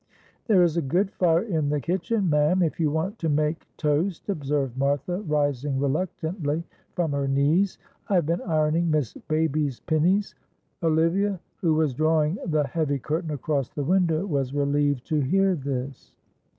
"There is a good fire in the kitchen, ma'am, if you want to make toast," observed Martha, rising reluctantly from her knees; "I have been ironing Miss Baby's pinnys." Olivia, who was drawing the heavy curtain across the window, was relieved to hear this.